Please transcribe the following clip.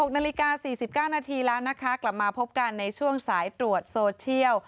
๖นาฬิกา๔๙นาทีแล้วนะคะกลับมาพบกันในช่วงสายตรวจโซเชียล